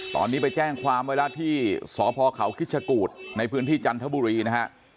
ตอนนี้ไปแจ้งความไว้แล้วที่สพเขาคิชกูธในพื้นที่จันทบุรีนะฮะ